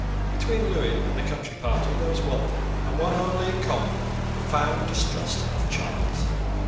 Between Lewis and the Country Party there was one thing, and one only in common, profound distrust of Charles.